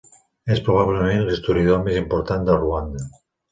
És probablement l'historiador més important de Ruanda.